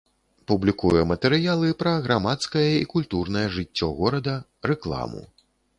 Публікуе матэрыялы пра грамадскае і культурнае жыццё горада, рэкламу.